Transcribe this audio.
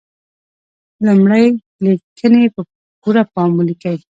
لمړی: لیکنې په پوره پام ولیکئ.